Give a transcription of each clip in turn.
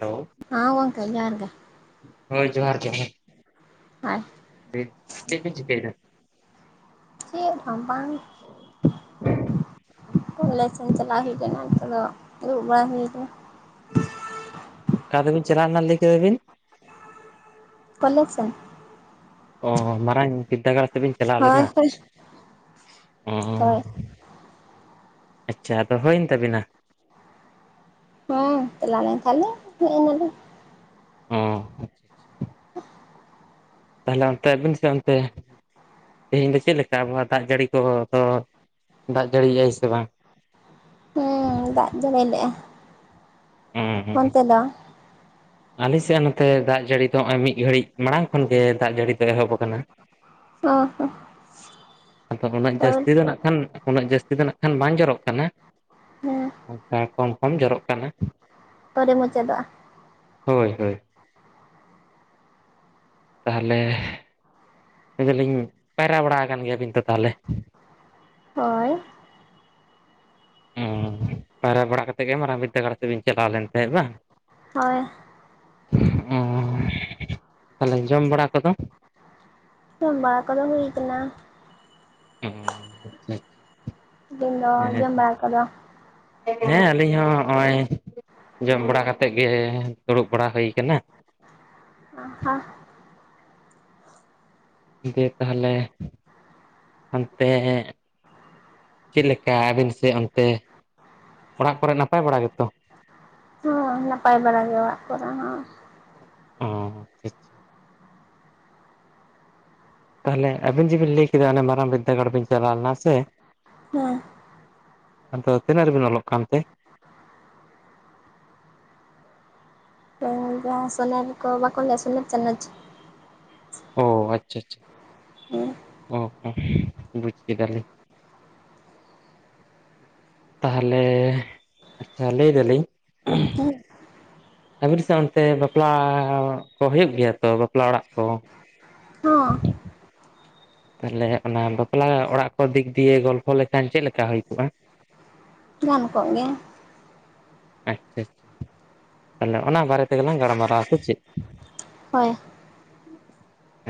Hello ᱟᱸ ᱜᱚᱱᱠᱮ ᱡᱚᱦᱟᱨ ᱜᱮ ᱦᱳᱭ ᱡᱚᱦᱟᱨ ᱜᱮ [unintelligible] ᱵᱤᱱ ᱪᱮᱫ ᱯᱮ ᱪᱤᱠᱟᱹᱭ ᱮᱫᱟ? ᱪᱮᱫ ᱦᱚᱸ ᱵᱟᱝ? ᱠᱚᱞᱮᱡᱽ ᱥᱮᱱ ᱪᱟᱞᱟᱣ ᱦᱩᱭᱩᱜ ᱠᱟᱱᱟ ᱱᱤᱛᱚᱜ ᱫᱚ ᱫᱩᱲᱩᱵ ᱵᱟᱲᱟ ᱦᱩᱭ ᱟᱠᱟᱱᱟ᱾ ᱚᱠᱟᱛᱮ ᱵᱤᱱ ᱪᱟᱞᱟᱣ ᱞᱮᱱᱟ ᱞᱟᱹᱭ ᱠᱮᱫᱟ ᱵᱤᱱ [inaudible] ᱠᱚᱞᱮᱡ ᱥᱮᱱ ᱚ ᱢᱟᱨᱟᱝ ᱵᱤᱨᱫᱟᱜᱟᱲ ᱛᱮᱵᱤᱱ ᱪᱟᱞᱟᱣ ᱦᱳᱭ ᱞᱮᱱᱟ, ᱦᱳᱭ ᱚᱸᱻ ᱦᱳᱭ ᱟᱪᱪᱷᱟ ᱟᱫᱚ ᱦᱩᱭᱮᱱ ᱛᱟᱵᱤᱱᱟ᱾ ᱦᱩᱸ ᱪᱟᱞᱟᱣ ᱞᱮᱱ ᱛᱟᱦᱮᱱ ᱞᱮ, ᱦᱮᱡ ᱮᱱᱟ ᱞᱮ᱾ ᱦᱚᱸ [unintelligible] ᱛᱟᱦᱚᱞᱮ ᱚᱱᱛᱮ ᱟᱵᱤᱱ ᱥᱮ ᱚᱱᱛᱮ ᱛᱮᱦᱮᱧ ᱫᱚ ᱪᱮᱫ ᱞᱮᱠᱟ ᱟᱵᱚᱦᱟᱣᱟ ᱫᱟᱜ ᱡᱟᱹᱲᱤ ᱠᱚᱫᱚ ᱫᱟᱜ ᱡᱟᱹᱲᱤᱭᱟᱭ ᱥᱮ ᱵᱟᱝ? ᱦᱮᱸ ᱫᱟᱜ ᱡᱟᱹᱲᱤ ᱞᱮᱜᱼᱟᱭ᱾ ᱦᱚᱸ ᱦᱩᱸ ᱟᱞᱮ ᱥᱮᱫ ᱱᱚᱛᱮ ᱫᱟᱜ ᱡᱟᱹᱲᱤ ᱫᱚ ᱱᱚᱜ- ᱚᱭ ᱢᱤᱫ ᱜᱷᱟᱹᱲᱤᱡ ᱢᱟᱲᱟᱝ ᱠᱷᱚᱱ ᱜᱮ ᱫᱟᱜ ᱡᱟᱹᱲᱤ ᱫᱚ ᱮᱦᱚᱵ ᱟᱠᱟᱱᱟ᱾ ᱚ ᱦᱚ ᱟᱫᱚ ᱩᱱᱟᱹᱜ ᱡᱟᱹᱥᱛᱤ ᱫᱚ ᱱᱟᱦᱟᱜ ᱠᱷᱟᱱ ᱩᱱᱟᱹᱜ ᱡᱟᱹᱥᱛᱤ ᱫᱚ ᱱᱟᱦᱟᱜ ᱠᱷᱟᱱ ᱵᱟᱝ ᱡᱚᱨᱚᱜ ᱠᱟᱱᱟ᱾ ᱦᱮᱸ ᱠᱚᱢ ᱠᱚᱢ ᱡᱚᱨᱚᱜ ᱠᱟᱱᱟ᱾ [unintelligible] ᱢᱩᱪᱟᱹᱫᱼᱟ, ᱦᱳᱭ ᱦᱳᱭ ᱛᱟᱦᱚᱞᱮ ᱞᱟᱹᱭ ᱟᱞᱤᱧ ᱯᱟᱭᱨᱟ ᱵᱟᱲᱟ ᱟᱠᱟᱱ ᱜᱮᱭᱟᱵᱤᱱ ᱛᱚ ᱛᱟᱦᱚᱞᱮ᱾ ᱦᱳᱭ ᱚ ᱯᱟᱭᱨᱟ ᱵᱟᱲᱟ ᱠᱟᱛᱮᱫ ᱜᱮ ᱢᱟᱨᱟᱝ ᱵᱤᱨᱫᱽᱫᱟᱹᱜᱟᱲ ᱥᱮᱫ ᱵᱤᱱ ᱪᱟᱞᱟᱣ ᱞᱮᱱ ᱛᱟᱦᱮᱸᱫ ᱵᱟᱝ? ᱦᱳᱭ, ᱚ ᱛᱟᱦᱚᱞᱮ ᱡᱚᱢ ᱵᱟᱲᱟ ᱠᱚᱫᱚ? ᱥᱚᱢ ᱵᱟᱲᱟ ᱠᱚᱫᱚ ᱦᱩᱭ ᱟᱠᱟᱱᱟ ᱚ ᱟᱪᱪᱷᱟ ᱟᱪᱪᱷᱟ ᱟᱵᱤᱱ ᱫᱚ ᱡᱚᱢ ᱵᱟᱲᱟ ᱟᱠᱟᱫᱚ? ᱦᱮᱸ ᱟᱹᱞᱤᱧ ᱦᱚᱸ ᱱᱚᱜᱼᱚᱭ ᱡᱚᱢ ᱵᱟᱲᱟ ᱠᱟᱛᱮᱫ ᱜᱮ ᱫᱩᱲᱩᱵ ᱵᱟᱲᱟ ᱦᱩᱭ ᱠᱟᱱᱟ᱾ [unintelligible] ᱫᱤᱭᱮ ᱛᱟᱦᱚᱞᱮ ᱦᱟᱱᱛᱮ ᱪᱮᱫ ᱞᱮᱠᱟ ᱟᱵᱤᱱ ᱥᱮᱫ ᱚᱱᱛᱮ ᱚᱲᱟᱜ ᱠᱚᱨᱮ ᱱᱟᱯᱟᱭ ᱵᱟᱲᱟ ᱜᱮᱛᱚ ᱦᱚᱸ ᱱᱟᱯᱟᱭ ᱵᱟᱲᱟ ᱜᱮ ᱚᱲᱟᱜ ᱠᱚᱨᱮ ᱦᱚᱸ᱾ ᱚᱦᱸ ᱛᱟᱦᱚᱞᱮ ᱟᱵᱤᱱ ᱡᱮᱵᱤᱱ ᱞᱟᱹᱭ ᱠᱮᱫᱟ ᱚᱱᱮ ᱢᱟᱨᱟᱝ ᱵᱤᱫᱽᱫᱟᱹᱜᱟᱲ ᱵᱤᱱ ᱪᱟᱞᱟᱣ ᱞᱮᱱᱟ ᱥᱮ ᱦᱮᱸ ᱟᱫᱚ ᱛᱤᱱᱟᱹᱜ ᱨᱮᱵᱤᱱ ᱚᱞᱚᱜ ᱠᱟᱱᱛᱮ? ᱦᱮᱸ ᱡᱟᱦᱟᱸ ᱥᱚᱱᱮᱨ ᱠᱚ ᱵᱟᱠᱚ ᱞᱟᱹᱭᱟ ᱥᱚᱱᱮᱨ ᱪᱟᱱᱟᱪ ᱚ ᱟᱪᱷᱟ ᱟᱪᱷᱟ ᱦᱮᱸ ᱚ ᱦᱚᱸ ᱵᱩᱡᱽ ᱠᱮᱫᱟᱞᱤᱧ᱾ ᱛᱟᱦᱚᱞᱮ ᱟᱪᱪᱷᱟ ᱞᱟᱹᱭ ᱫᱟᱞᱤᱧ ᱟᱵᱤᱱ ᱥᱮᱱ ᱚᱱᱛᱮ ᱵᱟᱯᱞᱟ ᱠᱚ ᱦᱩᱭᱩᱜ ᱜᱮᱭᱟ ᱛᱚ ᱵᱟᱯᱞᱟ ᱚᱲᱟᱜ ᱠᱚ᱾ ᱦᱚ ᱛᱟᱦᱚᱞᱮ ᱚᱱᱟ ᱵᱟᱯᱞᱟ ᱚᱲᱟᱜ ᱠᱚ ᱫᱤᱠ ᱫᱤᱭᱮ ᱜᱚᱞᱯᱷᱚ ᱞᱮᱠᱷᱟᱱ ᱪᱮᱫ ᱞᱮᱠᱟ ᱦᱩᱭ ᱠᱚᱜᱼᱟ ᱜᱟᱱ ᱠᱚᱜ ᱜᱮᱭᱟ ᱟᱪᱪᱷᱟ ᱟᱪᱪᱷᱟ ᱛᱟᱦᱞᱮ ᱚᱱᱟ ᱵᱟᱨᱮ ᱛᱮᱜᱮ ᱞᱟᱝ ᱜᱚᱞᱢᱟᱨᱟᱣ ᱟᱥᱮ ᱪᱮᱫ? ᱦᱳᱭ,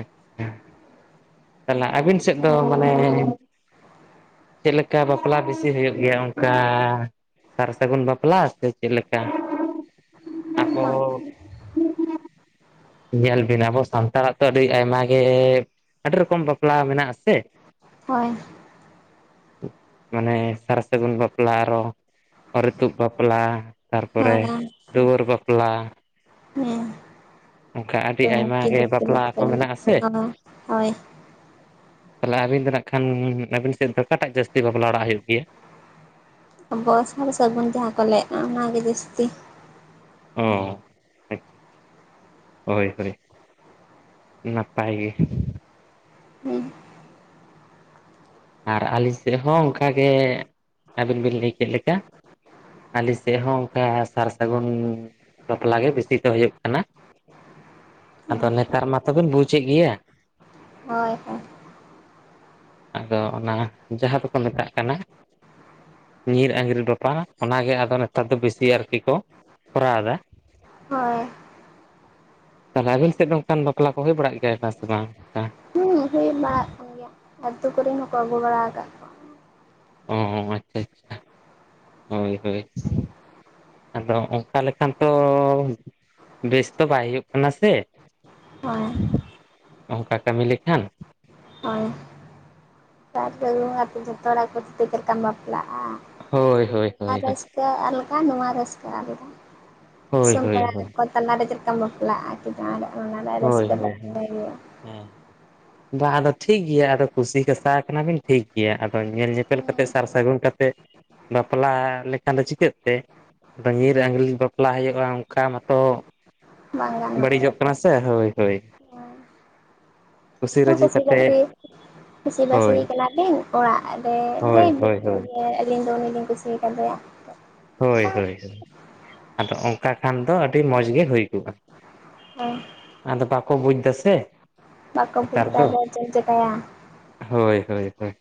ᱟᱪᱪᱷᱟ ᱛᱟᱦᱚᱞᱮ ᱟᱹᱵᱤᱱ ᱥᱮᱫ ᱫᱚ ᱢᱟᱱᱮ ᱪᱮᱫ ᱞᱮᱠᱟ ᱵᱟᱯᱞᱟ ᱵᱮᱥᱤ ᱦᱩᱭᱩᱜ ᱜᱮᱭᱟ ᱚᱱᱠᱟ ᱥᱟᱨ ᱥᱟᱹᱜᱩᱱ ᱵᱟᱯᱞᱟ ᱥᱮ ᱪᱮᱫ ᱞᱮᱠᱟ?. ᱟᱵᱚ ᱵᱟᱝ [unintelligible] ᱧᱮᱞ ᱵᱤᱱ ᱟᱵᱚ ᱥᱟᱱᱛᱟᱲ ᱟᱛᱚ ᱨᱮ ᱟᱭᱢᱟᱟᱜ ᱜᱮᱻ ᱟᱹᱰᱤ ᱨᱚᱠᱚᱢ ᱵᱟᱯᱞᱟ ᱢᱮᱱᱟᱜ ᱟᱥᱮ᱾ ᱦᱳᱭ ᱚᱱᱮ ᱥᱟᱨ ᱥᱟᱹᱜᱩᱱ ᱵᱟᱯᱞᱟ ᱟᱨᱚ ᱚᱨᱤᱛᱩᱫ ᱵᱟᱯᱞᱟ, ᱛᱟᱨᱯᱚᱨᱮ ᱦᱳᱭ ᱫᱩᱣᱟᱹᱨ ᱵᱟᱯᱞᱟ᱾ ᱦᱮᱸ ᱚᱱᱠᱟ ᱟᱹᱰᱤ ᱴᱩᱝᱠᱤ ᱟᱭᱢᱟᱜᱮ ᱫᱤᱯᱤᱞ ᱵᱟᱯᱞᱟ ᱠᱚ ᱢᱮᱱᱟᱜ ᱟᱥᱮ᱾ ᱦᱳᱭ ᱛᱟᱦᱚᱞᱮ ᱟᱹᱵᱤᱱ ᱫᱚᱱᱟᱜ ᱠᱷᱟᱱ ᱟᱹᱵᱤᱱ ᱥᱮᱫ ᱫᱚ ᱚᱠᱟᱴᱟᱜ ᱡᱟᱹᱥᱛᱤ ᱵᱟᱯᱞᱟ ᱚᱲᱟᱜ ᱦᱩᱭᱩᱜ ᱜᱮᱭᱟ ᱟᱵᱚᱣᱟᱜ ᱥᱟᱨ ᱥᱟᱹᱜᱩᱱ ᱡᱟᱦᱟᱸ ᱠᱚ ᱞᱟᱭᱮᱜᱼᱟ ᱚᱱᱟᱜᱮ ᱡᱟᱹᱥᱛᱤ᱾ ᱚ ᱟᱪᱪᱷᱟ [inaudible] ᱟᱪᱪᱷᱟ ᱦᱳᱭ ᱦᱳᱭ, ᱱᱟᱯᱟᱭ ᱜᱮ᱾ ᱦᱩᱸ ᱟᱨ ᱟᱹᱞᱤᱧ ᱥᱮᱫ ᱦᱚᱸ ᱚᱱᱠᱟ ᱜᱮ ᱟᱹᱵᱤᱱ ᱵᱤᱱ ᱞᱟᱹᱭ ᱠᱮᱜ ᱞᱮᱠᱟ᱾ ᱟᱹᱞᱮ ᱥᱮᱫ ᱦᱚᱸ ᱚᱱᱠᱟ ᱥᱟᱨ ᱥᱟᱹᱜᱩᱱ ᱵᱟᱯᱞᱟ ᱜᱮ ᱵᱮᱥᱤ ᱛᱮ ᱦᱩᱭᱩᱜ ᱠᱟᱱᱟ᱾ ᱟᱫᱚ ᱱᱮᱛᱟᱨ ᱢᱟᱛᱚᱵᱤᱱ ᱵᱩᱡᱮᱫ ᱜᱮᱭᱟᱹ᱾ ᱦᱳᱭ ᱦᱳᱭ, ᱟᱫᱚ ᱚᱱᱟ ᱡᱟᱦᱟᱸ ᱫᱚᱠᱚ ᱢᱮᱛᱟᱜ ᱠᱟᱱᱟ᱾ ᱧᱤᱨ ᱟᱸᱜᱤᱨ ᱵᱟᱯᱟ, ᱚᱱᱟᱜᱮ ᱟᱫᱚ ᱱᱮᱛᱟᱨ ᱫᱚ ᱵᱮᱥᱤ ᱟᱨᱠᱤ ᱠᱚ ᱠᱚᱨᱟᱣ ᱮᱫᱟ᱾ ᱦᱳᱭ ᱛᱟᱦᱞᱮ ᱟᱵᱤᱱ ᱥᱮᱫ ᱚᱱᱠᱟᱱ ᱵᱟᱯᱞᱟ ᱠᱚ ᱦᱩᱭ ᱵᱟᱲᱟᱜ ᱜᱮᱭᱟ ᱥᱮ ᱵᱟᱝ ᱚᱱᱠᱟ ᱦᱩᱸ ᱦᱩᱭ ᱵᱟᱲᱟᱜ ᱠᱟᱱ ᱜᱮᱭᱟ ᱟᱹᱛᱩ ᱠᱚᱨᱮᱱ ᱦᱚᱸᱠᱚ ᱟᱹᱜᱩ ᱵᱟᱲᱟ ᱟᱠᱟᱜ [inaudible] [unintelligible] ᱟᱪᱪᱷᱟ ᱟᱪᱪᱷᱟ ᱦᱳᱭ ᱦᱳᱭ ᱟᱫᱚ ᱚᱱᱠᱟ ᱞᱮᱠᱷᱟᱱ ᱛᱚᱻ ᱵᱮᱥ ᱛᱚ ᱵᱟᱭ ᱦᱩᱭᱩᱜ ᱠᱟᱱᱟ ᱥᱮ᱾ ᱦᱳᱭ [unintelligible] ᱚᱝᱠᱟ ᱠᱟᱹᱢᱤ ᱞᱮᱠᱷᱟᱱ ᱦᱳᱭ [unintelligible] ᱵᱟᱯᱞᱟ-ᱟ [unintelligible] ᱦᱳᱭ ᱦᱳᱭ ᱦᱳᱭ ᱦᱳᱭ [unintelligible] ᱟᱞᱠᱟ ᱱᱚᱣᱟ ᱨᱟᱹᱥᱠᱟᱹ ᱟᱞᱜᱟ ᱦᱳᱭ ᱫᱤᱥᱚᱢ ᱦᱳᱭ ᱯᱮᱲᱟ ᱛᱟᱞᱟᱨᱮ ᱪᱮᱫ ᱞᱮᱠᱟᱢ ᱵᱟᱯᱞᱟᱜ-ᱟ᱾ ᱡᱟᱦᱟᱱᱟᱜ ᱚᱱᱟᱱᱟᱜ ᱦᱳᱭ ᱨᱟᱹᱥᱠᱟᱹ ᱫᱚ ᱦᱳᱭ ᱟᱰᱤ ᱱᱟᱯᱟᱭ ᱜᱮᱭᱟ᱾ ᱦᱮᱸ ᱵᱟᱝ ᱟᱫᱚ ᱴᱷᱤᱠ ᱜᱮᱭᱟ ᱟᱫᱚ ᱠᱩᱥᱤ ᱠᱟᱥᱟ ᱠᱟᱱᱟ ᱵᱤᱱ ᱴᱷᱤᱠ ᱜᱮᱭᱟ ᱟᱫᱚ ᱧᱮᱞ ᱧᱮᱯᱮᱞ ᱠᱟᱛᱮᱜ ᱦᱮᱸ ᱥᱟᱨ ᱥᱟᱹᱜᱩᱱ ᱠᱟᱛᱮᱜ᱾ ᱵᱟᱯᱞᱟ ᱞᱮᱠᱷᱟᱱ ᱫᱚ ᱪᱤᱠᱟᱹᱜ ᱛᱮ ᱧᱤᱨ ᱟᱝᱜᱽᱞᱤ ᱵᱟᱯᱞᱟ ᱦᱩᱭᱩᱜ-ᱟ ᱚᱱᱠᱟ ᱢᱟᱛᱚ ᱵᱟᱝ ᱜᱟᱱᱚᱜᱼᱟ ᱵᱟᱹᱲᱤᱡᱚᱜ ᱠᱟᱱᱟ ᱥᱮ, ᱦᱳᱭ ᱦᱳᱭ ᱠᱩᱥᱤ ᱦᱚᱸ ᱨᱟᱹᱡᱤ ᱡᱩᱫᱤ ᱠᱟᱛᱮ, ᱵᱟᱹᱥᱤ ᱪᱟᱹᱥᱤ ᱦᱳᱭ ᱵᱟᱹᱥᱤ ᱠᱟᱱᱟ ᱵᱤᱱ ᱚᱲᱟᱜ ᱨᱮ ᱦᱳᱭ ᱞᱟᱹᱭ ᱵᱤᱱ ᱦᱳᱭ ᱦᱳᱭ ᱦᱮᱸ ᱟᱹᱞᱤᱧ ᱫᱚ ᱩᱱᱤ ᱞᱤᱧ ᱠᱩᱥᱤᱭᱟᱠᱟ ᱫᱮᱭᱟ ᱦᱳᱭ ᱦᱳᱭ, ᱟᱫᱚ ᱚᱱᱠᱟ ᱠᱷᱟᱱ ᱫᱚ ᱟᱹᱰᱤ ᱢᱚᱸᱡᱽ ᱜᱮ ᱦᱩᱭ ᱠᱚᱜ-ᱟ᱾ ᱦᱚᱸ ᱟᱫᱚ ᱵᱟᱠᱚ ᱵᱩᱡ ᱫᱟᱥᱮ᱾ ᱵᱟᱠᱚ ᱵᱩᱡ ᱫᱟᱫᱚ ᱪᱮᱫ ᱮᱢ ᱪᱤᱠᱟᱭᱟ᱾ ᱦᱳᱭ ᱦᱳᱭ ᱦᱳᱭ,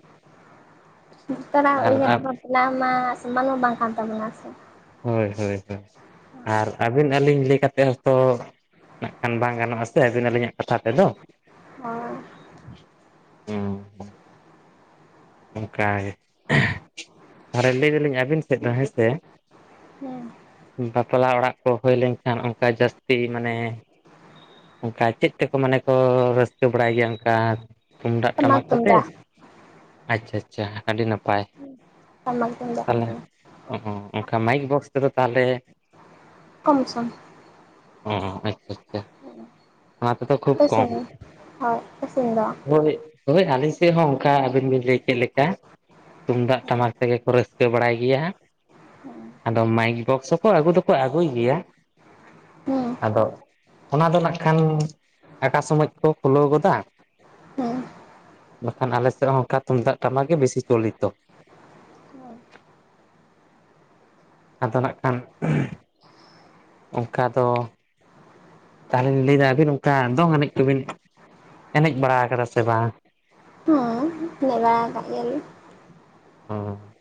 ᱱᱮᱛᱟᱨᱟᱜ ᱟᱨ ᱩᱭᱦᱟᱹᱨ ᱵᱷᱟᱵᱱᱟ ᱢᱟ ᱥᱮᱢᱟᱱ ᱦᱚᱸ ᱵᱟᱝ ᱠᱟᱱ ᱛᱟᱵᱚᱱᱟ ᱥᱮ᱾ ᱦᱳᱭ ᱦᱳᱭ ᱦᱳᱭ ᱟᱨ ᱟᱹᱵᱤᱱ ᱟᱹᱞᱤᱧ ᱞᱟᱹᱭ ᱠᱟᱛᱮᱜ ᱦᱚᱸᱛᱚ ᱱᱟᱜ ᱠᱷᱟᱱ ᱵᱟᱝ ᱜᱟᱱᱚᱜ-ᱟ ᱥᱮ ᱟᱹᱵᱤᱱ ᱟᱹᱞᱤᱧᱟᱜ ᱠᱟᱛᱷᱟ ᱛᱮᱫᱚ᱾ ᱦᱚᱸ ᱦᱮᱸ ᱚᱱᱠᱟᱜᱮ ᱞᱟᱹᱭ ᱫᱟᱞᱤᱧ ᱟᱹᱵᱤᱱ ᱥᱮᱫ [inaudible] ᱫᱚ ᱦᱮᱸ ᱥᱮ ᱦᱮᱸ ᱵᱟᱯᱞᱟ ᱚᱲᱟᱜ ᱠᱚ ᱦᱩᱭ ᱞᱮᱱᱠᱷᱟᱱ ᱚᱱᱠᱟ ᱡᱟᱹᱥᱛᱤ ᱢᱟᱱᱮ᱾ ᱚᱱᱠᱟ ᱪᱮᱫ ᱛᱮᱠᱚ ᱢᱟᱱᱮ ᱠᱚ ᱨᱟᱹᱥᱠᱟᱹ ᱵᱟᱲᱟᱭ ᱜᱮᱭᱟ ᱚᱱᱠᱟ ᱛᱩᱢᱫᱟᱜ ᱴᱟᱢᱟᱠ ᱠᱚᱛᱮ? ᱟᱪᱪᱷᱟ ᱟᱪᱪᱷᱟ ᱟᱹᱰᱤ ᱱᱟᱯᱟᱭ ᱴᱟᱢᱟᱠ ᱛᱩᱢᱫᱟᱜ ᱛᱟᱦᱚᱞᱮ ᱛᱮᱜᱮ ᱚ ᱦᱚᱸ ᱚᱱᱠᱟ ᱢᱟᱭᱤᱠ ᱵᱚᱠᱥ ᱛᱮᱫᱚ ᱛᱟᱦᱚᱞᱮ ᱠᱚᱢ ᱥᱚᱝ ᱚ ᱟᱪᱪᱷᱟ ᱟᱪᱪᱷᱟ ᱚᱱᱟ ᱠᱚ ᱫᱚ ᱠᱷᱩᱵ ᱟᱯᱮ ᱠᱚᱢ, ᱥᱮᱱ ᱦᱳᱭ ᱟᱯᱮ ᱥᱮᱱ ᱫᱚ ᱦᱳᱭ ᱦᱳᱭ ᱟᱞᱮ ᱥᱮᱫ ᱦᱚᱸ ᱚᱱᱠᱟ ᱟᱹᱵᱤᱱ ᱵᱤᱱ ᱞᱟᱹᱭ ᱠᱮᱫ ᱞᱮᱠᱟ ᱛᱩᱢᱫᱟᱜ ᱦᱮᱸ ᱴᱟᱢᱟᱠ ᱛᱮᱜᱮ ᱠᱚ ᱨᱟᱹᱥᱠᱟᱹ ᱵᱟᱲᱟᱭ ᱜᱮᱭᱟ ᱟᱫᱚ ᱢᱟᱭᱤᱠ ᱵᱚᱠᱥ ᱦᱚᱸᱠᱚ ᱟᱹᱜᱩ ᱫᱚᱠᱚ ᱟᱹᱜᱩᱭ ᱜᱮᱭᱟ ᱦᱮᱸ ᱛᱚ ᱚᱱᱟ ᱫᱚ ᱱᱟᱜᱠᱷᱟᱱ ᱟᱠᱟ ᱥᱚᱢᱚᱭ ᱠᱚ ᱠᱷᱩᱞᱟᱹᱣ ᱜᱚᱫᱟ ᱦᱮᱸ ᱵᱟᱠᱷᱟᱱ ᱟᱞᱮ ᱥᱮᱫ ᱦᱚᱸ ᱚᱱᱠᱟ ᱛᱩᱢᱫᱟᱜ ᱴᱟᱢᱟ ᱜᱮ ᱵᱮᱥᱤ ᱪᱚᱞᱤᱛᱚ ᱦᱩᱸ ᱟᱫᱚ ᱱᱟᱜᱠᱷᱟᱱ [unintelligible] ᱚᱱᱠᱟ ᱫᱚ ᱛᱟᱦᱞᱮᱧ ᱞᱟᱹᱭᱫᱟ ᱟᱹᱵᱤᱱ ᱚᱝᱠᱟ ᱫᱚᱝ ᱮᱱᱮᱡ ᱠᱚᱵᱤᱱ ᱮᱱᱮᱡ ᱵᱟᱲᱟ ᱠᱟᱫᱟ ᱥᱮ ᱵᱟᱝ ᱮᱱᱮᱡ ᱵᱟᱲᱟᱭ ᱠᱟᱜ ᱜᱮᱭᱟ ᱞᱤᱧ ᱦᱚᱸ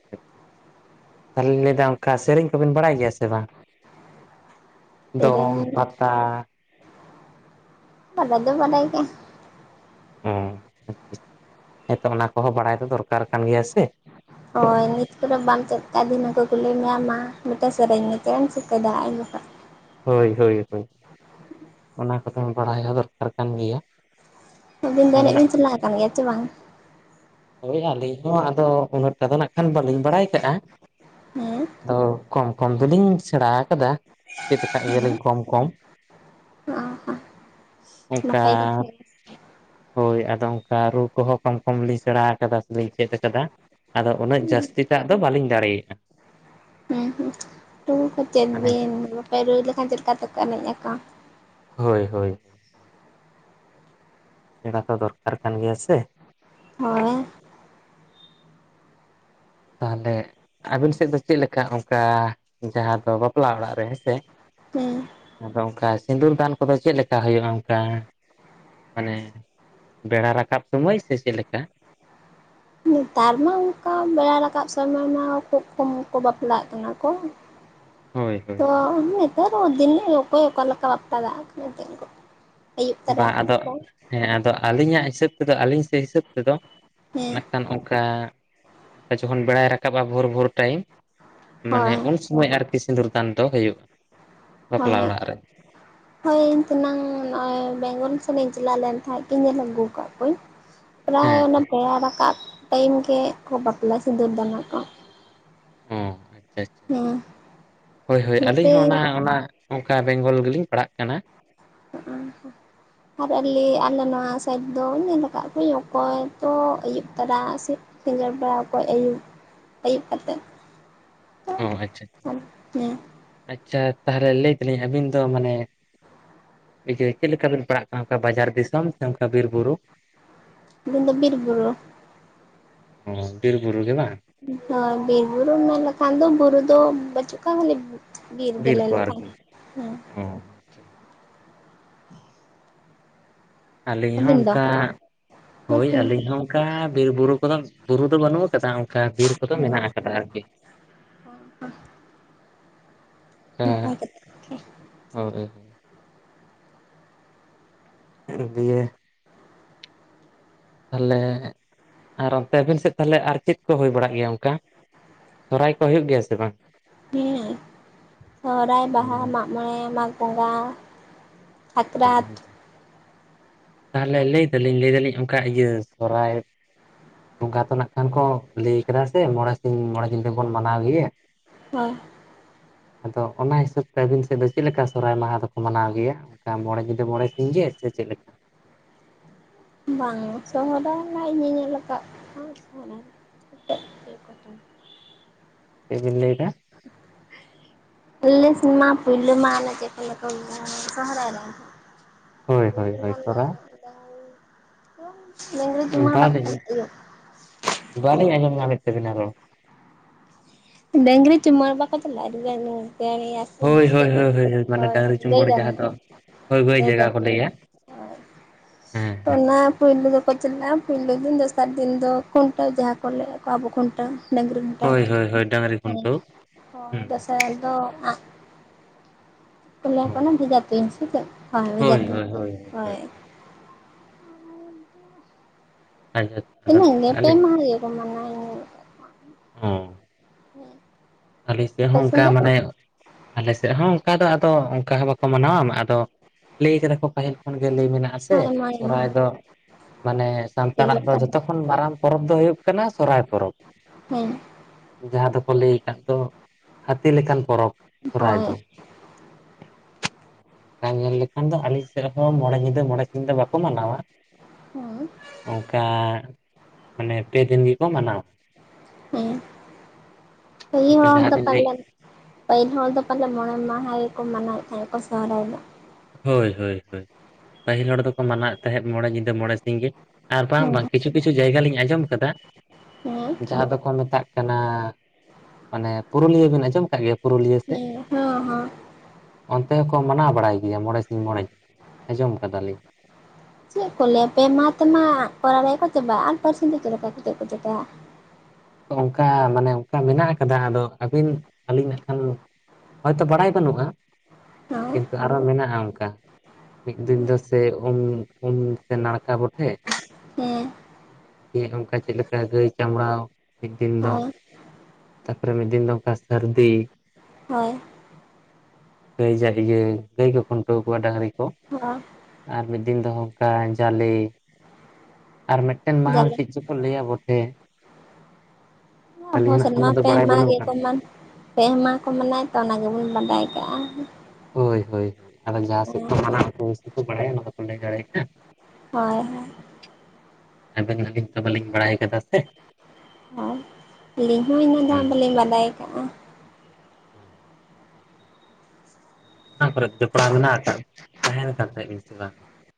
ᱛᱟᱦᱞᱮᱧ ᱞᱟᱹᱭᱫᱟ ᱚᱝᱠᱟ ᱥᱮᱨᱮᱧ ᱠᱚᱵᱮᱱ ᱵᱟᱲᱟᱭ ᱜᱮᱭᱟ ᱥᱮ ᱵᱟᱝ ᱫᱚᱝ, ᱥᱮᱨᱮᱧ ᱯᱟᱛᱟ [unintelligible] ᱵᱟᱰᱟᱭ ᱫᱚ ᱵᱟᱰᱟᱭ ᱜᱮ ᱦᱚᱸ, ᱦᱮᱸᱛᱚ ᱚᱱᱟ ᱠᱚᱦᱚᱸ ᱵᱟᱲᱟᱭ ᱫᱚ ᱫᱚᱨᱠᱟᱨ ᱠᱟᱱ ᱜᱮᱭᱟ ᱥᱮ ᱦᱳᱭ ᱱᱤᱛ ᱠᱚᱫᱚ ᱵᱟᱢ ᱪᱮᱫ ᱠᱟᱜ ᱫᱤᱱᱟᱹ ᱠᱚ ᱠᱩᱞᱤ ᱢᱮᱟᱢ ᱢᱟ ᱢᱤᱫᱴᱮᱱ ᱥᱮᱨᱮᱧ ᱪᱮᱫ ᱮᱢ ᱪᱤᱠᱟᱹᱭᱟ ᱫᱟᱲᱮ ᱩᱱ ᱡᱟᱠᱷᱚᱡ ᱦᱳᱭ ᱦᱳᱭ ᱚᱱᱟ ᱠᱚᱫᱚ ᱵᱟᱲᱟᱭ ᱦᱚᱸ ᱫᱚᱨᱠᱟᱨ ᱠᱟᱱ ᱜᱮᱭᱟ [unintelligible] ᱟᱹᱵᱤᱱ ᱟᱫᱚ ᱮᱱᱮᱡ ᱱᱟᱜ ᱵᱤᱱ ᱠᱷᱟᱱ ᱪᱟᱞᱟᱣ ᱟᱠᱟᱱ ᱜᱮᱭᱟ ᱪᱮ ᱵᱟᱝᱟ ᱦᱳᱭ ᱟᱹᱞᱤᱧ ᱦᱚᱸ ᱟᱫᱚ ᱩᱱᱟᱹᱜᱴᱟᱜ ᱫᱚ ᱱᱟᱜ ᱠᱷᱟᱱ ᱵᱟᱹᱞᱤᱧ ᱵᱟᱲᱟᱭ ᱠᱟᱜᱼᱟ᱾ ᱦᱮᱸ ᱟᱫᱚ ᱠᱚᱢ ᱠᱚᱢ ᱫᱚᱞᱤᱧ ᱥᱮᱬᱟᱣ ᱠᱟᱫᱟ ᱪᱮᱫ ᱟᱠᱟᱫ ᱜᱮᱭᱟᱞᱤᱧ ᱠᱚᱢ ᱠᱚᱢ ᱚ ᱦᱚᱸ ᱚᱝᱠᱟ ᱱᱟᱯᱟᱭ ᱠᱟᱛᱷᱟ ᱜᱮ ᱦᱳᱭ ᱟᱫᱚ ᱚᱱᱠᱟ ᱨᱩ ᱠᱚᱦᱚᱸ ᱠᱚᱢ ᱠᱚᱢ ᱞᱤᱧ ᱥᱮᱬᱟ ᱟᱠᱟᱫᱟ ᱥᱮᱞᱤᱧ ᱪᱮᱫ ᱟᱠᱟᱫᱟ ᱟᱫᱚ ᱩᱱᱟᱹᱜ ᱡᱟᱹᱥᱛᱤ ᱴᱟᱜ ᱫᱚ ᱵᱟᱞᱤᱧ ᱫᱟᱲᱮᱭᱟᱜᱼᱟ᱾ ᱦᱮᱸ ᱦᱩᱸ ᱴᱩᱨᱩ ᱠᱚᱛᱮ ᱢᱟᱱᱮ ᱵᱤᱱ ᱱᱟᱯᱟᱭ ᱨᱩ ᱞᱮᱠᱷᱟᱱ ᱪᱮᱫ ᱞᱮᱠᱟ ᱛᱮᱠᱚ ᱮᱱᱮᱡ ᱟᱠᱚ ᱦᱳᱭ ᱦᱳᱭ ᱥᱮᱬᱟ ᱫᱚ ᱫᱚᱨᱠᱟᱨ ᱠᱟᱱ ᱜᱮᱭᱟ ᱥᱮ ᱦᱳᱭ ᱛᱟᱦᱚᱞᱮ ᱟᱵᱤᱱ ᱥᱮᱫ ᱫᱚ ᱪᱮᱫ ᱞᱮᱠᱟ ᱚᱱᱠᱟ ᱡᱟᱦᱟᱸ ᱫᱚ ᱵᱟᱯᱞᱟ ᱚᱲᱟᱜ ᱨᱮ ᱦᱮᱸᱥᱮ ᱦᱩᱸ ᱟᱫᱚ ᱚᱝᱠᱟ ᱥᱤᱸᱫᱩᱨ ᱫᱟᱱ ᱠᱚᱫᱚ ᱪᱮᱫ ᱞᱮᱠᱟ ᱦᱩᱭᱩᱜᱼᱟ ᱚᱝᱠᱟ ᱢᱟᱱᱮ ᱵᱮᱲᱟ ᱨᱟᱠᱟᱵ ᱥᱚᱢᱚᱭ ᱥᱮ ᱪᱮᱫ ᱞᱮᱠᱟ ᱱᱮᱛᱟᱨ ᱢᱟ ᱚᱝᱠᱟ ᱵᱮᱲᱟ ᱨᱟᱠᱟᱵ ᱥᱚᱢᱚᱭ ᱢᱟ ᱠᱷᱩᱵ ᱠᱚᱢ ᱠᱚ ᱵᱟᱯᱞᱟᱜ ᱠᱟᱱᱟ ᱠᱚ ᱦᱳᱭ [unintelligible] ᱦᱳᱭ ᱛᱚ ᱱᱤᱛᱚᱜ ᱫᱚ ᱫᱤᱱ ᱚᱠᱚᱭ ᱚᱠᱟ ᱞᱮᱠᱟ ᱵᱟᱯᱞᱟ [unintelligible] ᱠᱟᱱᱟᱮᱫ [unintelligible] ᱵᱟᱝ ᱟᱫᱚ ᱦᱮᱸ ᱟᱫᱚ ᱟᱹᱞᱤᱧᱟᱜ ᱦᱤᱥᱟᱹᱵ ᱛᱮᱫᱚ ᱟᱹᱞᱤᱧ ᱥᱮᱫ ᱦᱤᱥᱟᱹᱵ ᱛᱮᱫᱚ ᱦᱮᱸ ᱱᱟᱜᱠᱷᱟᱱ ᱚᱠᱟ ᱡᱚᱠᱷᱚᱱ ᱵᱮᱲᱟᱭ ᱨᱟᱠᱟᱵᱼᱟ ᱵᱷᱳᱨ ᱵᱷᱳᱨ ᱴᱟᱭᱤᱢ ᱢᱟᱱᱮ ᱦᱳᱭ ᱩᱱ ᱥᱚᱢᱚᱭ ᱟᱨᱠᱤ ᱥᱤᱸᱫᱩᱨ ᱫᱟᱱ ᱫᱚ ᱦᱩᱭᱩᱜ-ᱟ ᱦᱳᱭ ᱵᱟᱯᱞᱟ ᱚᱲᱟᱜ ᱨᱮ ᱦᱳᱭ ᱤᱧ ᱛᱤᱱᱟᱹᱝ ᱱᱚᱜ-ᱭ ᱵᱮᱝᱜᱚᱞ ᱥᱮᱱ ᱤᱧ ᱪᱟᱞᱟᱣ ᱞᱮᱱ ᱛᱟᱦᱮᱸ ᱤᱧ ᱧᱮᱞ ᱟᱹᱜᱩ ᱠᱟᱫ ᱠᱚᱣᱟᱹᱧ ᱯᱮᱨᱟᱭ ᱦᱮᱸ ᱚᱰᱮ ᱯᱮᱲᱟ ᱨᱟᱠᱟᱵ ᱴᱟᱭᱤᱢ ᱜᱮᱠᱚ ᱵᱟᱯᱞᱟ ᱥᱤᱸᱫᱩᱹᱨ ᱫᱟᱱᱟ-ᱟ᱾ ᱦᱚᱸ ᱟᱪᱪᱷᱟ ᱟᱪᱪᱷᱟ ᱦᱮᱸ ᱦᱳᱭ ᱦᱳᱭ ᱟᱹᱞᱤᱧ ᱱᱚᱛᱮ ᱦᱚᱸ ᱚᱱᱟ ᱚᱱᱟ ᱚᱝᱠᱟ ᱵᱮᱝᱜᱚᱞ ᱜᱮᱞᱤᱧ ᱯᱟᱲᱦᱟᱜ ᱠᱟᱱᱟ᱾ ᱦᱸ [unintelligible] ᱟᱨ ᱟᱞᱮ ᱟᱞᱮ ᱱᱚᱶᱟ ᱥᱟᱭᱤᱰ ᱫᱚ ᱧᱮᱞ ᱟᱠᱟᱜ ᱜᱮᱭᱟ ᱠᱚ ᱛᱚ ᱟᱹᱭᱩᱵ ᱛᱚᱨᱟ ᱥᱮ ᱥᱤᱸᱜᱟᱲ ᱵᱟᱲᱟ ᱚᱠᱚ ᱟᱹᱭᱩᱵ, ᱟᱹᱭᱩᱵ ᱠᱟᱛᱮᱫ ᱛᱚ ᱚ ᱟᱪᱪᱷᱟ, ᱟᱪᱪᱷᱟ ᱦᱮᱸ ᱟᱪᱪᱷᱟ ᱛᱟᱦᱞᱮ ᱞᱟᱹᱭ ᱫᱟᱞᱤᱧ ᱟᱹᱵᱤᱱ ᱫᱚ ᱢᱟᱱᱮ ᱮᱡᱮ ᱪᱮᱫ ᱞᱮᱠᱟᱵᱤᱱ ᱯᱟᱲᱟᱜ ᱠᱟᱱᱟ ᱚᱱᱠᱟ ᱵᱟᱡᱟᱨ ᱫᱤᱥᱚᱢ ᱥᱮ ᱚᱱᱠᱟ ᱵᱤᱨ ᱵᱩᱨᱩ ᱤᱧ ᱫᱚ ᱵᱤᱨᱼᱵᱩᱨᱩ ᱚᱸ ᱵᱤᱨ ᱵᱩᱨᱩ ᱜᱮ ᱵᱟᱝ ᱱᱚᱶᱟ ᱵᱤᱨᱼᱵᱩᱨᱩ ᱢᱮᱱ ᱞᱮᱠᱷᱟᱱ ᱫᱚ ᱵᱩᱨᱩ ᱫᱚ ᱵᱟᱹᱪᱩᱜ ᱠᱷᱟᱭ ᱨᱮᱦᱚᱸ ᱵᱤᱨ ᱜᱮᱞᱮ ᱠᱚ ᱞᱮᱠᱷᱟᱭᱟ ᱟᱨᱠᱤ ᱚ ᱟᱹᱞᱤᱧ ᱦᱚᱸ ᱟᱹᱵᱤᱱ ᱫᱚ ᱚᱱᱠᱟ ᱦᱚᱭ ᱦᱮᱸ ᱟᱹᱞᱤᱧ ᱦᱚᱸ ᱚᱱᱠᱟ ᱵᱤᱨᱼᱵᱩᱨᱩ ᱠᱚᱫᱚ ᱵᱩᱨᱩ ᱫᱚ ᱵᱟᱹᱱᱩᱜ ᱟᱠᱟᱫᱟ ᱚᱱᱠᱟ ᱵᱤᱨ ᱠᱚᱫᱚ ᱢᱮᱱᱟᱜ ᱟᱠᱟᱫᱟ ᱟᱨᱠᱤ ᱱᱟᱯᱟᱭ ᱟᱸ ᱠᱟᱛᱷᱟ ᱦᱚᱭ ᱮᱸᱲ ᱵᱤᱭᱮ ᱛᱟᱦᱞᱮ ᱟᱨ ᱚᱱᱛᱮ ᱟᱹᱵᱤᱱ ᱥᱮᱫ ᱛᱟᱦᱞᱮ ᱟᱨ ᱪᱮᱫ ᱠᱚ ᱦᱩᱭ ᱵᱟᱲᱟᱜ ᱜᱮᱭᱟ ᱚᱱᱠᱟ ᱥᱚᱨᱦᱟᱭ ᱠᱚ ᱦᱩᱭᱩᱜ ᱜᱮᱭᱟ ᱥᱮ ᱵᱟᱝ ᱦᱩᱸ ᱥᱚᱦᱨᱟᱭ, ᱵᱟᱦᱟ, ᱢᱟᱜ ᱢᱚᱬᱮ, ᱢᱟᱜᱽ ᱵᱚᱸᱜᱟ, ᱥᱟᱠᱨᱟᱛ ᱦᱩᱸ ᱛᱟᱦᱞᱮ ᱞᱟᱹᱭ ᱫᱟᱞᱤᱧ ᱞᱟᱹᱭ ᱫᱟᱞᱤᱧ ᱚᱝᱠᱟ ᱤᱭᱟᱹ ᱥᱚᱨᱦᱟᱭ ᱵᱚᱸᱜᱟ ᱛᱟᱱᱟᱜ ᱠᱷᱟᱱ ᱠᱚ ᱞᱟᱹᱭ ᱠᱟᱫᱟ ᱥᱮ ᱢᱚᱬᱮ ᱥᱤᱧ ᱢᱚᱬᱮ ᱧᱤᱫᱟᱹ ᱵᱚᱱ ᱢᱟᱱᱟᱣ ᱜᱤᱭᱟ ᱦᱚᱭ ᱟᱫᱚ ᱚᱱᱟ ᱦᱤᱥᱟᱹᱵ ᱛᱮ ᱟᱹᱵᱤᱱ ᱥᱮᱫ ᱫᱚ ᱪᱮᱫ ᱞᱮᱠᱟ ᱥᱚᱦᱨᱟᱭ ᱢᱟᱦᱟᱸ ᱫᱚᱠᱚ ᱢᱟᱱᱟᱣ ᱜᱤᱭᱟ ᱠᱟ ᱢᱚᱬᱮ ᱧᱤᱫᱟᱹ ᱢᱚᱬᱮ ᱥᱤᱧ ᱜᱮ ᱥᱮ ᱪᱮᱫ ᱞᱮᱠᱟ? ᱵᱟᱝ ᱟ ᱥᱚᱦᱨᱟᱭ ᱨᱮᱱᱟᱜ ᱤᱭᱟᱹ ᱧᱮᱞ ᱟᱠᱟᱜᱼᱟ ᱥᱚᱦᱚᱨᱟᱭ ᱪᱮᱫ ᱵᱤᱱ ᱞᱟᱹᱭ ᱮᱫᱟ ᱟᱞᱮ ᱥᱮᱱ ᱢᱟ ᱯᱩᱭᱞᱩ ᱢᱟ ᱚᱱᱟ ᱡᱮᱠᱷᱚᱱ ᱵᱟᱠᱚ ᱜᱟᱲᱦᱟᱣ ᱟ ᱥᱚᱦᱨᱟᱭ ᱨᱮ ᱦᱳᱭ ᱦᱳᱭ ᱦᱳᱭ ᱥᱚᱨᱦᱟᱭ [inaudible] ᱤᱝᱨᱮᱡ ᱢᱟ ᱵᱟᱠᱚ ᱵᱟᱝ [inaudible] ᱤᱭᱟᱹ ᱵᱟᱹᱞᱤᱧ ᱟᱸᱡᱚᱢ ᱧᱟᱢᱮᱫ ᱛᱟᱵᱤᱱᱟ ᱨᱚᱲ ᱰᱟᱹᱝᱜᱽᱨᱤ ᱪᱩᱢᱟᱹᱲᱟ ᱵᱟᱠᱚ ᱪᱟᱞᱟᱜᱼᱟ [inaudible] ᱦᱳᱭ ᱦᱳᱭ ᱦᱳᱭ ᱦᱳᱭ [inaudible] ᱢᱟᱱᱮ ᱦᱚᱭ ᱰᱟᱝᱨᱤ ᱦᱚᱭ ᱜᱟᱹᱭ ᱪᱩᱢᱵᱩᱲ ᱡᱟᱦᱟᱸ ᱡᱟᱱᱣᱟᱨ ᱫᱚ ᱦᱳᱭ ᱦᱳᱭ ᱜᱟᱹᱭ ᱡᱟᱭᱜᱟ ᱰᱟᱝᱨᱟ ᱠᱚ ᱞᱟᱹᱭᱟ ᱦᱮᱸ ᱦᱮᱸ ᱯᱩᱭᱞᱩ ᱫᱚᱠᱚ ᱪᱟᱞᱟᱜᱼᱟ ᱯᱩᱭᱞᱩ ᱫᱤᱱ ᱫᱚᱥᱟᱨ ᱫᱤᱱ ᱫᱚ ᱠᱷᱩᱱᱴᱟᱹᱣ ᱡᱟᱦᱟᱸ ᱠᱚ ᱞᱟᱹᱭᱟᱜ ᱠᱚᱣᱟ ᱟᱵᱚ ᱠᱷᱩᱱᱴᱟᱹᱣ ᱰᱟᱝᱨᱤ ᱠᱩᱴᱟᱹᱢ ᱦᱳᱭ ᱦᱳᱭ ᱦᱳᱭ ᱰᱟᱝᱨᱤ ᱦᱮᱸ ᱠᱷᱩᱱᱴᱟᱹᱣ ᱦᱳᱭ ᱦᱩᱸ ᱫᱚᱥᱟᱨ ᱫᱚ ᱟᱸᱜ ᱠᱚ ᱞᱟᱹᱭᱟ ᱠᱚ ᱵᱷᱮᱡᱟ ᱛᱩᱧ ᱥᱮ ᱪᱮᱫ ᱦᱚᱭ ᱵᱷᱮᱡᱟ ᱦᱳᱭ ᱛᱩᱧ ᱦᱳᱭ ᱦᱳᱭ ᱦᱚᱭ ᱦᱳᱭ ᱟᱪᱪᱷᱟ ᱟᱫᱚ ᱤᱱᱟᱹᱜ ᱱᱟᱜ ᱜᱮ ᱠᱷᱟᱱ ᱯᱮ ᱟᱞᱮ ᱢᱟᱦᱟ ᱜᱮᱠᱚ ᱢᱟᱱᱟᱣ [inaudible] ᱦᱚᱸ ᱦᱮᱸ ᱟᱞᱤᱧ ᱥᱮᱫ ᱦᱚᱸ ᱚᱱᱠᱟ ᱢᱟᱱᱮ ᱟᱞᱮ ᱥᱮᱫ ᱦᱚᱸ ᱚᱱᱠᱟ ᱫᱚ ᱟᱫᱚ ᱚᱠᱟ ᱦᱚᱸ ᱵᱟᱠᱠᱚ ᱢᱟᱱᱟᱣᱟ ᱵᱟᱦᱟ ᱫᱚ ᱞᱟᱹᱭ ᱠᱟᱫᱟ ᱠᱚ ᱯᱟᱹᱦᱤᱞ ᱠᱷᱚᱱ ᱜᱮ ᱞᱟᱹᱭ ᱢᱮᱱᱟᱜ ᱟᱥᱮ ᱦᱳᱭ ᱢᱚᱬᱮ ᱢᱟᱦᱟ ᱥᱚᱨᱦᱟᱭ ᱫᱚ ᱢᱟᱱᱮ ᱪᱮᱫ ᱥᱟᱱᱛᱟᱲ ᱟᱜ ᱫᱚ ᱞᱮᱠᱟ ᱡᱚᱛᱚ ᱠᱷᱚᱱ ᱢᱟᱨᱟᱝ ᱯᱚᱨᱚᱵᱽ ᱫᱚ ᱦᱩᱭᱩᱜ ᱠᱟᱱᱟ ᱥᱚᱨᱦᱟᱭ ᱯᱚᱨᱚᱵᱽ ᱦᱮᱸ ᱡᱟᱦᱟᱸ ᱫᱚᱠᱚ ᱞᱟᱹᱭ ᱠᱟᱫ ᱫᱚ ᱦᱟᱛᱤ ᱞᱮᱠᱟᱱ ᱯᱚᱨᱚᱵ ᱥᱚᱨᱦᱟᱭ ᱦᱳᱭ ᱫᱚ ᱵᱟᱝ ᱧᱮᱞ ᱞᱮᱠᱷᱟᱱ ᱫᱚ ᱟᱞᱤᱧ ᱥᱮᱫ ᱦᱚᱸ ᱢᱚᱬᱮ ᱧᱤᱫᱟᱹ ᱢᱚᱬᱮ ᱥᱤᱧ ᱫᱚ ᱵᱟᱠᱚ ᱢᱟᱱᱟᱣᱟ [unintelligible] ᱚᱝᱠᱟ ᱢᱟᱱᱮ ᱯᱮ ᱫᱤᱱ ᱜᱮᱠᱚ ᱢᱟᱱᱟᱣᱟ ᱦᱩᱸ ᱯᱟᱹᱦᱤᱞ ᱚᱱᱠᱟ ᱦᱚᱸ ᱡᱟᱦᱟᱸ ᱵᱤᱱ ᱞᱟᱹᱭ [inaudible] ᱯᱟᱹᱦᱤᱞ ᱦᱚᱲ ᱫᱚ ᱯᱟᱞᱮ ᱢᱚᱬᱮ ᱢᱟᱦᱟ ᱜᱮᱠᱚ ᱢᱟᱱᱟᱣ ᱮᱫ ᱛᱟᱦᱮᱸᱫ ᱠᱚ ᱥᱚᱦᱨᱟᱭ ᱫᱚ ᱦᱚᱭ ᱦᱚᱭ ᱦᱚᱭ ᱯᱟᱹᱦᱤᱞ ᱦᱚᱲ ᱫᱚᱠᱚ ᱢᱟᱱᱟᱣ ᱮᱫ ᱛᱟᱦᱮᱸᱫ ᱢᱚᱬᱮ ᱧᱤᱫᱟᱹ ᱢᱚᱬᱮ ᱥᱤᱝ ᱜᱤ ᱟᱨ ᱵᱟᱝ ᱦᱮᱸ ᱵᱟᱝ ᱠᱤᱪᱷᱩ ᱠᱤᱪᱷᱩ ᱡᱟᱭᱜᱟ ᱞᱤᱧ ᱟᱸᱡᱚᱢ ᱠᱟᱫᱟ ᱦᱮᱸ ᱡᱟᱦᱟᱸ ᱫᱚᱠᱚ ᱢᱮᱛᱟᱜ ᱠᱟᱱᱟ ᱢᱟᱱᱮ ᱯᱩᱨᱩᱞᱤᱭᱟᱹ ᱵᱤᱱ ᱟᱸᱡᱚᱢ ᱟᱠᱟᱜ ᱜᱤᱭᱟ ᱯᱩᱨᱩᱞᱤᱭᱟᱹ ᱥᱮᱫ ᱦᱮᱸ ᱦᱚᱸ ᱦᱚᱸ ᱚᱱᱛᱮ ᱦᱚᱸᱠᱚ ᱢᱟᱱᱟᱣ ᱵᱟᱲᱟᱭ ᱜᱮᱭᱟ ᱢᱚᱬᱮ ᱥᱤᱧ ᱢᱚᱬᱮ ᱟᱸᱡᱚᱢ ᱟᱠᱟᱫᱟᱞᱤᱧ [inaudible] ᱪᱮᱫ ᱠᱚ ᱞᱟᱹᱭᱟ ᱯᱮ ᱢᱟᱦᱟ ᱛᱮᱢᱟ ᱥᱚᱦᱚᱨᱟᱭ ᱠᱚ ᱪᱟᱵᱟᱜᱼᱟ ᱟᱨ ᱯᱟᱹᱨᱥᱤ ᱫᱚ ᱪᱮᱫ ᱞᱮᱠᱟ ᱠᱟᱛᱮᱫ ᱠᱚ ᱪᱤᱠᱟᱭᱟ ᱚᱱᱠᱟ ᱢᱟᱱᱮ ᱚᱱᱠᱟ ᱢᱮᱱᱟᱜ ᱟᱠᱟᱫᱟ᱾ ᱟᱫᱚ ᱟᱹᱵᱤᱱ ᱟᱹᱞᱤᱧ ᱱᱟᱜ ᱠᱷᱟᱱ ᱦᱳᱭᱛᱳ ᱵᱟᱲᱟᱭ ᱵᱟᱹᱱᱩᱜᱼᱟ ᱦᱳᱭ ᱠᱤᱱᱛᱩ ᱟᱨᱚ ᱢᱮᱱᱟᱜᱼᱟ ᱚᱝᱠᱟ ᱢᱤᱫ ᱫᱤᱱ ᱫᱚ ᱥᱮ ᱩᱢ, ᱩᱢ ᱥᱮ ᱱᱟᱲᱠᱟ ᱵᱚᱴᱷᱮ ᱦᱮᱸ [unintelligible] ᱚᱱᱠᱟ ᱪᱮᱫ ᱞᱮᱠᱟ ᱜᱟᱹᱭ ᱪᱟᱢᱲᱟᱣ ᱢᱤᱫ ᱫᱤᱱ ᱫᱚ ᱦᱳᱭ ᱛᱟᱯᱚᱨᱮ ᱢᱤᱫ ᱫᱤᱱ ᱫᱚ ᱚᱱᱠᱟ ᱥᱟᱹᱨᱫᱤ ᱦᱳᱭ ᱜᱟᱹᱭ ᱡᱟᱜ ᱤᱭᱟᱹ ᱜᱟᱹᱭ ᱠᱚ ᱠᱷᱩᱱᱴᱟᱹᱣ ᱠᱚᱣᱟ ᱰᱟᱝᱨᱤ ᱛᱚ ᱦᱳᱭ ᱟᱨ ᱢᱤᱫ ᱫᱤᱱ ᱫᱚᱝᱠᱟ ᱡᱟᱞᱤ ᱟᱨ ᱢᱤᱫᱴᱮᱱ ᱢᱟᱦᱟᱞ ᱡᱟᱞᱮ ᱪᱮᱫ ᱪᱚ ᱠᱚ ᱞᱟᱹᱭᱟ ᱵᱚᱴᱷᱮ ᱟᱵᱚ ᱟᱹᱞᱤᱧ ᱦᱟᱸᱜ ᱥᱮᱱ ᱢᱟ ᱠᱷᱟᱱ ᱫᱚ ᱯᱮ ᱵᱟᱲᱟᱭ ᱢᱟᱦᱟᱸ ᱵᱟᱹᱱᱩᱜ ᱜᱮ ᱟᱠᱟᱫ ᱠᱚ ᱢᱟᱱ ᱯᱮ ᱢᱟᱦᱟ ᱠᱚ ᱢᱮᱱᱟᱣᱼᱟ ᱛᱚ ᱚᱱᱟ ᱜᱮ ᱵᱚᱱ ᱵᱟᱰᱟᱭ ᱠᱟᱜᱼᱟ᱾ ᱦᱳᱭ ᱦᱳᱭ᱾ ᱟᱫᱚ ᱡᱟᱦᱟᱸ ᱥᱮᱫ ᱦᱳᱭ ᱠᱚ ᱢᱟᱱᱟᱣ ᱵᱟᱲᱟᱭᱟ ᱚᱱᱟ ᱫᱚᱠᱚ ᱞᱟᱹᱭ ᱫᱟᱲᱮᱭᱟᱜᱼᱟ᱾ ᱦᱳᱭ ᱟᱵᱮᱱ ᱟᱹᱞᱤᱧ ᱛᱚ ᱵᱟᱞᱤᱧ ᱵᱟᱲᱟᱭ ᱠᱟᱫᱟ ᱥᱮ ᱟᱨ ᱟᱹᱞᱤᱧ ᱦᱚᱸ ᱤᱱᱟᱜ ᱜᱟᱱ ᱦᱩᱸ ᱵᱟᱹᱞᱤᱧ ᱵᱟᱰᱟᱭ ᱠᱟᱜᱼᱟ᱾ ᱚᱱᱟ ᱠᱚᱨᱮ ᱡᱚᱯᱲᱟᱣ ᱢᱮᱱᱟᱜ ᱟᱠᱟᱫ ᱛᱟᱦᱮᱱ ᱠᱟᱱ ᱛᱟᱦᱮᱸᱫ ᱵᱤᱱ ᱥᱮ ᱵᱟᱝ